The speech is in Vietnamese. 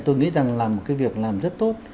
tôi nghĩ rằng là một cái việc làm rất tốt